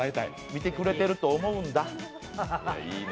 見てくれてると思うんだ。